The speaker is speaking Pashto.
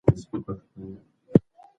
دوی د ژوند د جوړېدو بنسټونه لري.